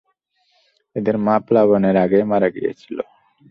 এদের মা প্লাবনের আগেই মারা গিয়েছিল।